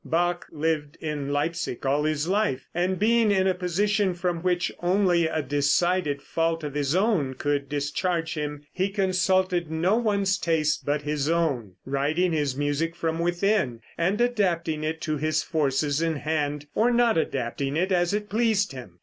Bach lived in Leipsic all his life, and, being in a position from which only a decided fault of his own could discharge him, he consulted no one's taste but his own, writing his music from within, and adapting it to his forces in hand, or not adapting it, as it pleased him.